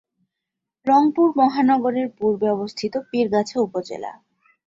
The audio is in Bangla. রংপুর মহানগরের পূর্বে অবস্থিত পীরগাছা উপজেলা।